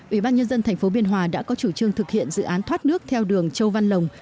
ủy ban nhân dân tp biên hòa đã có chủ trương thực hiện dự án thoát nước theo đường châu văn lồng